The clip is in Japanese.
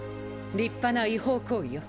立派な違法行為よ。